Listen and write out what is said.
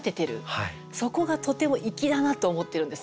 そこがとても粋だなと思ってるんです。